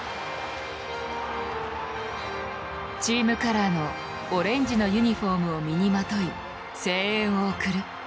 チームカラーのオレンジのユニフォームを身にまとい声援を送る。